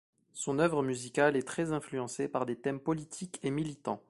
Son œuvre musicale est très influencée par des thèmes politiques et militants.